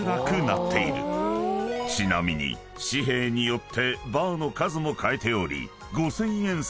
［ちなみに紙幣によってバーの数も変えており］